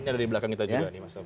ini ada di belakang kita juga nih mas